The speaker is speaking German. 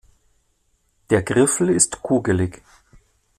Der Griffel ist kugelig.